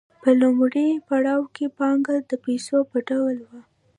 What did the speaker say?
په لومړي پړاو کې پانګه د پیسو په ډول وه